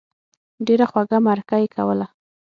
ډېره خوږه مرکه یې کوله.